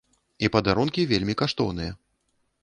І падарункі вельмі каштоўныя.